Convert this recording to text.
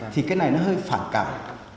thì cái này nó hơi phản cảm